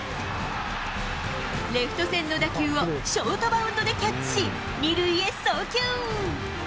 レフト線の打球をショートバウンドでキャッチし、２塁へ送球。